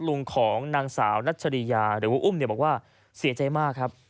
ลุงของนางสาวนัชริยาหรือว่าอุ้มเนี่ยบอกว่าเสียใจมากครับ